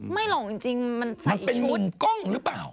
ไม่หลงจริงมันใส่ชุดมันเป็นหมุนกล้องหรือเปล่า